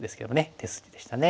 手筋でしたね。